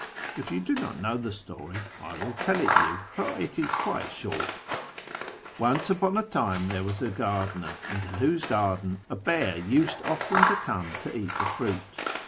If you do not know the story I will tell it you, for it is quite short. " Once upon a time there was a gardener, into whose garden a bear used often to come to eat the fruit.